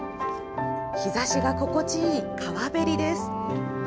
日ざしが心地いい川べりです。